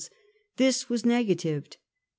this was negatived.